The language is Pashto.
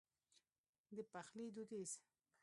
د پخلي دوديز